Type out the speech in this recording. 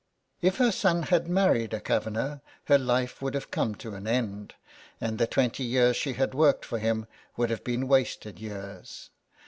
If her son had married a Kavanagh her life would have come to an end, and the twenty years she had worked for him would have been wasted years.